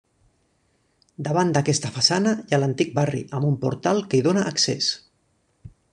Davant d'aquesta façana hi ha l'antic barri amb un portal que hi dóna accés.